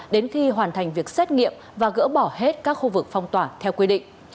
đến khi hoàn thành việc xét nghiệm và gỡ bỏ hết các khu vực phong tỏa theo quy định